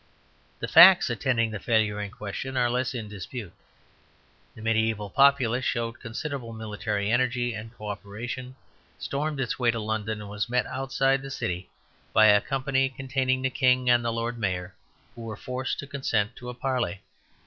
The facts attending the failure in question are less in dispute. The mediæval populace showed considerable military energy and co operation, stormed its way to London, and was met outside the city by a company containing the King and the Lord Mayor, who were forced to consent to a parley.